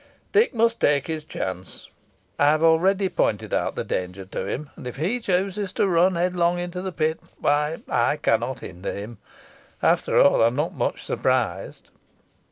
Dick must take his chance. I have already pointed out the danger to him, and if he chooses to run headlong into the pit, why, I cannot hinder him. After all, I am not much surprised.